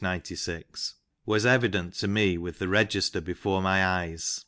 96), " was evident, to me with the register before my eyes.